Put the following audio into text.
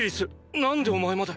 何でお前まで！